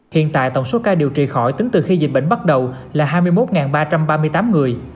hiện tại tổng số ca điều trị khỏi tính từ khi dịch bệnh bắt đầu là hai mươi một ba trăm ba mươi tám người